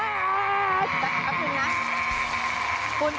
ขอบคุณนะ